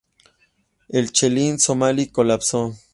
El chelín somalí colapsó.